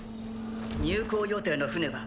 入港予定の船は？